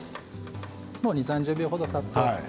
２０、３０秒ほどさっと。